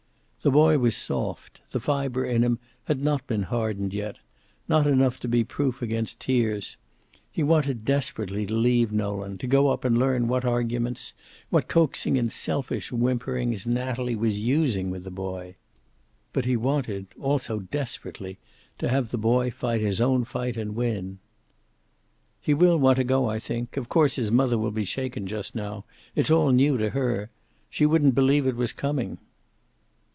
The boy was soft; the fiber in him had not been hardened yet, not enough to be proof against tears. He wanted desperately to leave Nolan, to go up and learn what arguments, what coaxing and selfish whimperings Natalie was using with the boy. But he wanted, also desperately, to have the boy fight his own fight and win. "He will want to go, I think. Of course, his mother will be shaken just now. It'll all new to her. She wouldn't believe it was coming."